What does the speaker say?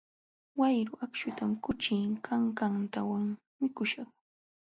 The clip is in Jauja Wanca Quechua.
Wayru akśhutam kuchi kankantawan mikuśhaq.